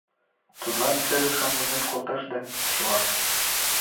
Тудлан серышым возен колташ да — чыла.